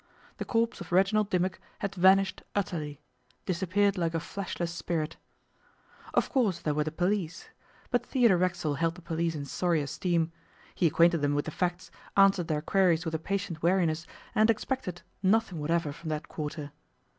The corpse of Reginald Dimmock had vanished utterly disappeared like a fleshless spirit. Of course there were the police. But Theodore Racksole held the police in sorry esteem. He acquainted them with the facts, answered their queries with a patient weariness, and expected nothing whatever from that quarter.